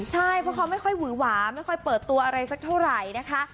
ใช่เพราะเขาไม่ค่อยหวือหวาไม่ค่อยเปิดตัวอะไรสักเท่าไหร่นะคะ